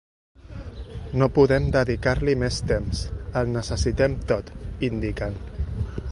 No podem dedicar-li més temps, el necessitem tot, indiquen.